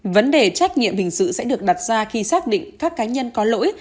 vấn đề trách nhiệm hình sự sẽ được đặt ra khi xác định các cá nhân có lỗi